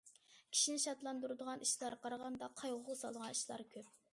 كىشىنى شادلاندۇرىدىغان ئىشلارغا قارىغاندا، قايغۇغا سالىدىغان ئىشلار كۆپ.